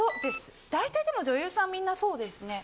大体でも女優さんみんなそうですね。